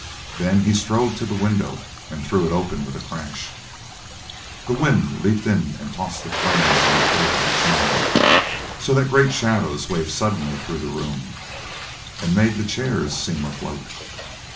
Then he strode to the window and threw it open with a crash. The wind leaped in and tossed the flame in the throat of the chimney, so that great shadows waved suddenly through the room, and made the chairs seem afloat.